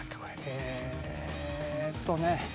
えーっとね。